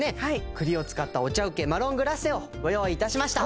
栗を使ったお茶請けマロングラッセをご用意いたしました